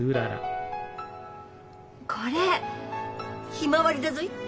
ひまわりだぞい。